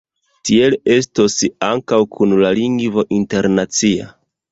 Tiel estos ankaŭ kun la lingvo internacia.